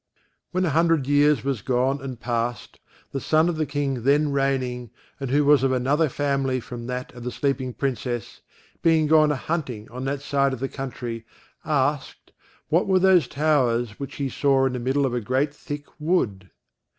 When a hundred years were gone and past, the son of the King then reigning, and who was of another family from that of the sleeping Princess, being gone a hunting on that side of the country, asked, what were those towers which he saw in the middle of a great thick wood?